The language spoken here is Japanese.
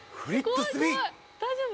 大丈夫？